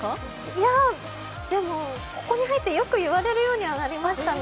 いや、でも、ここに入ってよく言われるようにはなりましたね。